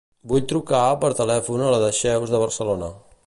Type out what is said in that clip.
Vull trucar per telèfon a la Dexeus de Barcelona.